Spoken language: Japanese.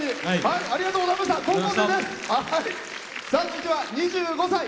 続いては、２５歳。